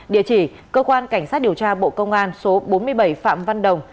địa chỉ cơ quan cảnh sát điều tra bộ công an số bốn mươi bảy phạm văn đồng